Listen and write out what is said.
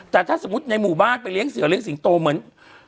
แต่ถ้าสมมุติในหมู่บ้านไปเลี้ยเสือเลี้ยสิงโตเหมือน